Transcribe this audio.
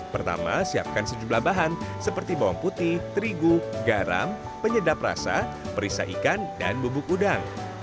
pertama siapkan sejumlah bahan seperti bawang putih terigu garam penyedap rasa perisa ikan dan bubuk udang